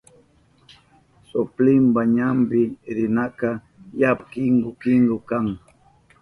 Soplinma ñampi rinaka yapa kinku kinku kan.